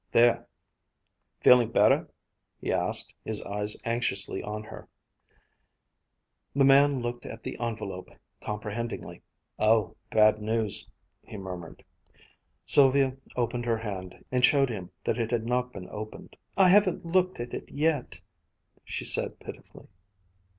"There, feelin' better?" he asked, his eyes anxiously on hers. The man looked at the envelope comprehendingly: "Oh bad news " he murmured. Sylvia opened her hand and showed him that it had not been opened. "I haven't looked at it yet," she said pitifully.